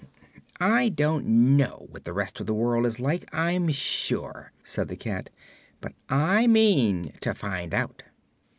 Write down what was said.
"I don't know what the rest of the world is like, I'm sure," said the cat; "but I mean to find out."